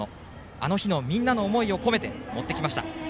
あの日のみんなの思いを込めて持ってきました。